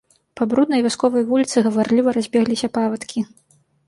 Па бруднай вясковай вуліцы гаварліва разбегліся павадкі.